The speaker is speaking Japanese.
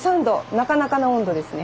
なかなかの温度ですね。